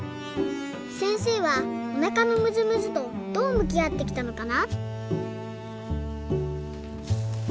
せんせいはおなかのむずむずとどうむきあってきたのかな？